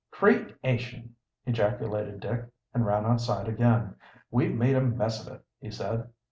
"Creation!" ejaculated Dick, and ran outside again. "We've made a mess of it!" he said.